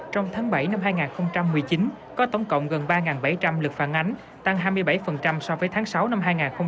trong tháng bảy năm hai nghìn một mươi chín có tổng cộng gần ba bảy trăm linh lượt phản ánh tăng hai mươi bảy so với tháng sáu năm hai nghìn một mươi tám